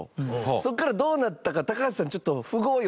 そこからどうなったか高橋さんちょっと。